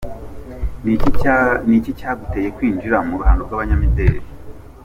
com: Ni iki cyaguteye kwinjira mu ruhando rw’abanyamideli?.